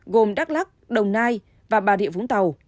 gồm đắk lắc đồng nai và ba địa vũng tàu